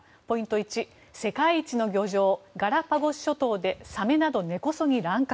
１世界一の漁場ガラパゴス諸島でサメなど根こそぎ乱獲。